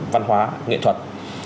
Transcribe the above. văn hóa nghệ thuật